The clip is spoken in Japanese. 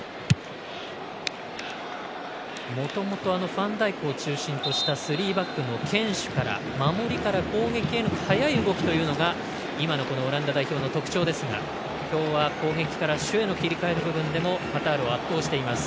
ファンダイクを中心としたスリーバックの堅守から守りから攻撃への速い動きというのが今のオランダ代表の特徴ですが今日は攻撃から守への切り替えの部分でもカタールを圧倒しています。